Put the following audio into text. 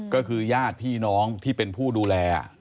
ก็คือญาติพี่น้องที่เป็นผู้ดูแล